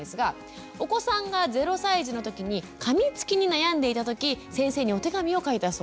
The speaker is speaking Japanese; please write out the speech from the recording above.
お子さんが０歳児の時にかみつきに悩んでいた時先生にお手紙を書いたそう。